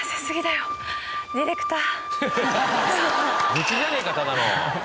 グチじゃねえかただの！